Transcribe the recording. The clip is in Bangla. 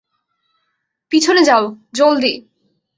পিছনে যাও, জলদি।